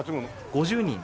５０人で。